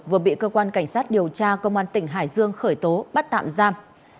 vừa bị cơ quan cảnh sát điều tra công an tỉnh hải dương khởi tố bắt tạm giam